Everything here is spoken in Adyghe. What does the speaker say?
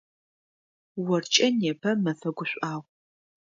Оркӏэ непэ мэфэ гушӏуагъу.